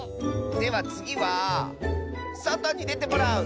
ではつぎはそとにでてもらう！